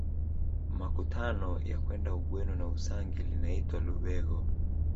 Makutano ya kwenda Ugweno na Usangi linaitwa Lubegho